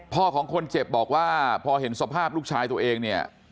ของคนเจ็บบอกว่าพอเห็นสภาพลูกชายตัวเองเนี่ย